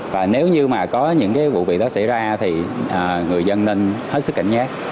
và nếu như mà có những vụ việc đó xảy ra thì người dân nên hết sức cảnh giác